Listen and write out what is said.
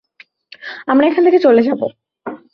আমরা এখান থেকে চলে যাব।